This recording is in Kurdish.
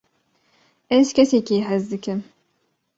ez kesekî hez dikim